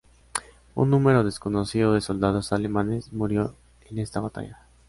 Un número desconocido de soldados alemanes murió en esta batalla.